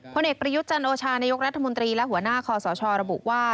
ผลเอกประยุทธ์จันโอชานายกรัฐมนตรีและหัวหน้าคอสชระบุว่า